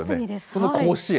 その甲子園？